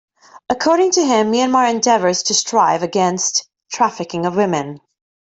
According to him, Myanmar endeavors to strive against trafficking of women.